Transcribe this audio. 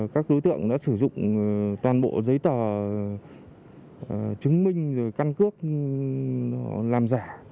các đối tượng đã sử dụng toàn bộ giấy tờ chứng minh rồi căn cước làm giả